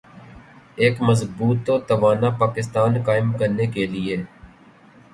ایک مضبوط و توانا پاکستان قائم کرنے کے لئیے ۔